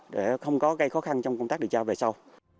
để không có gây khó khăn trong công tác địa trao về sau